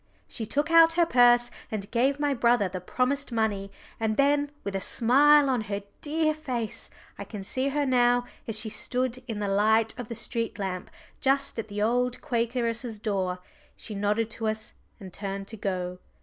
She took out her purse and gave my brother the promised money, and then with a smile on her dear face I can see her now as she stood in the light of the street lamp just at the old Quakeress's door she nodded to us and turned to go.